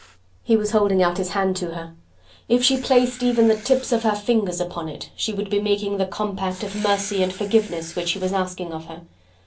He was holding out his hand to her. If she placed even the tips of her fingers upon it, she would be making the compact of mercy and forgiveness which he was asking of her.